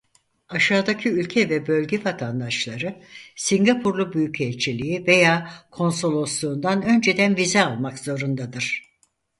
Aşağıdaki ülke ve bölge vatandaşları Singapurlu Büyükelçiliği veya Konsolosluğundan önceden vize almak zorundadır.